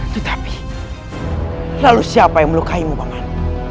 tetapi lalu siapa yang melukai mu paman